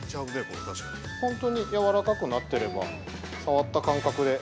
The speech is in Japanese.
◆本当にやわらかくなってれば、さわった感覚で。